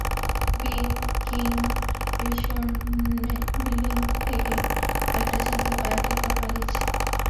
বি-কিং-এ বিস্ফোরণ বিল্ডিং থেকে একটা ছেলেকে বাইকে করে পালিয়েছ।